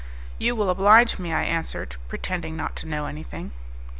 "You will oblige me," I answered, pretending not to know anything.